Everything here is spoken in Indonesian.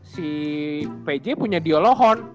si pj punya di olohon